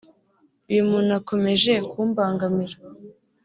uyu muntu akomeje kumbangamira”